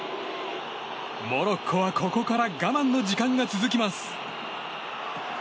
モロッコはここから我慢の時間が続きます。